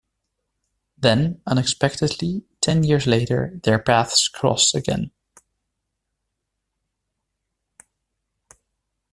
Then, unexpectedly, ten years later, their paths cross again.